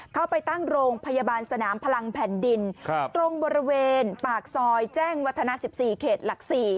เข้าไปตั้งโรงพยาบาลสนามพลังแผ่นดินตรงบริเวณปากซอยแจ้งวัฒนา๑๔เขตหลัก๔